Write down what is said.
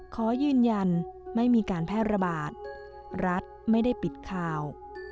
ขอยืนยันไม่มีการแพร่ระบาดรัฐไม่ได้ปิดข่าว